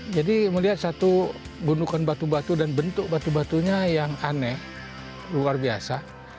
melihat satu gundukan batu batu dan bentuk batu batunya yang aneh luar biasa